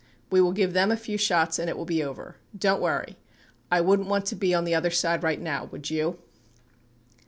We will give them a few shots and it will be over. Don't worry. I wouldn't want to be on the other side right now. Would you